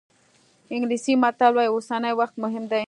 انګلیسي متل وایي اوسنی وخت مهم دی.